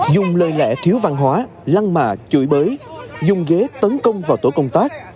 dùng lời lẽ thiếu văn hóa lăng mạ chửi bới dùng ghế tấn công vào tổ công tác